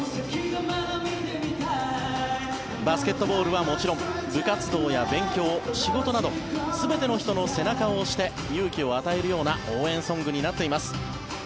バスケットボールはもちろん部活動や勉強、仕事など全ての人の背中を押して勇気を与えるような応援ソングになっています。